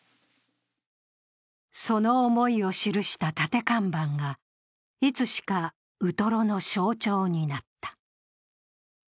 その思いを記した立て看板がいつしかウトロの象徴になった。